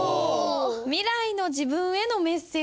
「未来の自分へのメッセージ」。